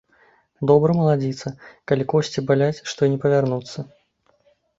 Добра, маладзіца, калі косці баляць, што і не павярнуцца.